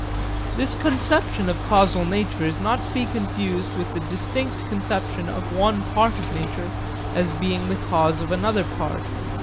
This conception of causal nature is not to be confused with the distinct conception of one part of nature as being the cause of another part.